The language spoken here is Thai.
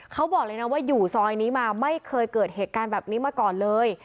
เขาบอกเลยนะว่าอยู่ซอยนี้มาไม่เคยเกิดเหตุการณ์แบบนี้มาก่อนเลย